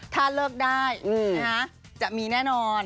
ถ้าเลิกได้จะมีแน่นอน